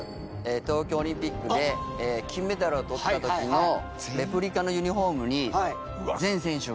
東京オリンピックで金メダルをとった時のレプリカのユニフォームに全選手が。